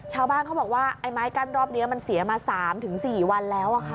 ชาวบ้านเขาบอกว่าไอ้ไม้กั้นรอบนี้มันเสียมา๓๔วันแล้วค่ะ